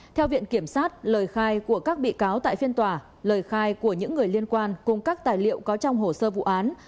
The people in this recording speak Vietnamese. theo viện kiểm sát lời khai của các bị cáo tại phiên tòa lời khai của những người liên quan cùng các tài liệu có trong hồ sơ vụ án